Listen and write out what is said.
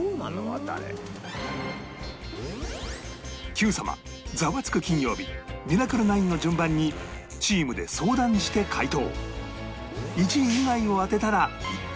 『Ｑ さま！！』『ザワつく！金曜日』『ミラクル９』の順番にチームで相談して回答